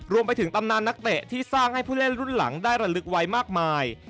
ตำนานนักเตะที่สร้างให้ผู้เล่นรุ่นหลังได้ระลึกไว้มากมาย